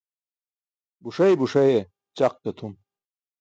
Buṣay buṣaye ćaq ke tʰum.